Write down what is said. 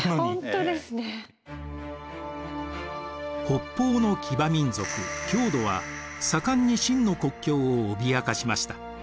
北方の騎馬民族匈奴は盛んに秦の国境を脅かしました。